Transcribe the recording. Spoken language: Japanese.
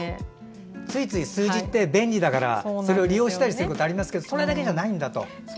ついつい数字って便利だから利用することはありますけどそれだけじゃないんだと。